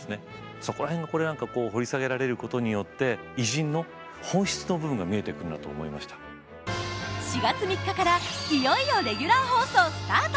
そこら辺を掘り下げられることによって４月３日からいよいよレギュラー放送スタート！